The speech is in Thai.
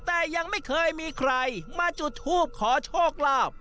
แต่ยังไม่เคยมีใครมาจุดทูบขอโชคลาภ